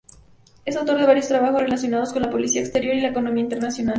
Es autor de varios trabajos relacionados con la política exterior y la economía internacional.